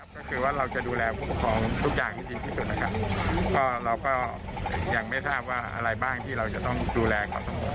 ก็คือว่าเราจะดูแลผู้ปกครองทุกอย่างให้ดีที่สุดนะครับก็เราก็ยังไม่ทราบว่าอะไรบ้างที่เราจะต้องดูแลก่อน